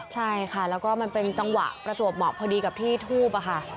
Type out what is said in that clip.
และมันเป็นจังหวะประจวบเหมาะพอดีกับที่ทูปอะคะ